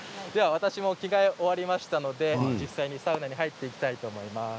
着替え終わりましたのでサウナに入っていきたいと思います。